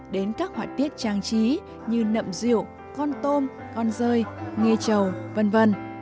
đến các hoạt tiết trang trí như nậm rượu con tôm con rơi nghê trầu v v